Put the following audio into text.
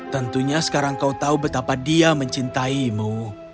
tentunya sekarang kau tahu betapa dia mencintaimu